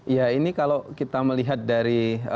ya ini kalau kita melihat dari